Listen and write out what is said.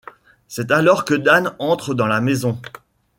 C'est alors que Dawn entre dans la maison.